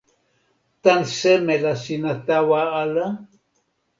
tan seme la sina tawa ala?